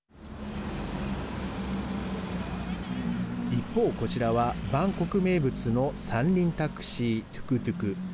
一方こちらはバンコク名物の三輪タクシートゥクトゥク。